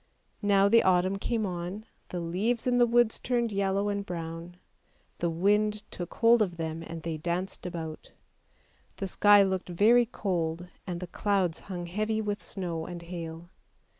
Now the autumn came on, the leaves in the woods turned yellow and brown; the wind took hold of them, and they danced about. The sky looked very cold, and the clouds hung heavy with snow and hail.